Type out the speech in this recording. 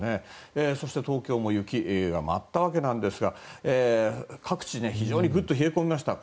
そして東京も雪が舞ったわけですが各地非常にぐっと冷え込みました。